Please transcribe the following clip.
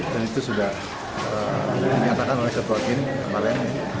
dan itu sudah menyatakan oleh ketua kin